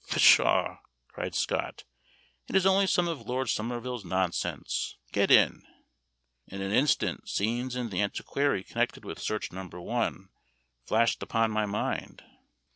"Pshaw," cried Scott, "it is only some of Lord Somerville's nonsense get in!" In an instant scenes in the Antiquary connected with "Search No. 1," flashed upon my mind.